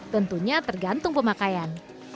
tentunya tergantung pemakaian